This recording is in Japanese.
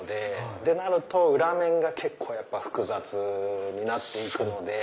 ってなると裏面が結構複雑になって行くので。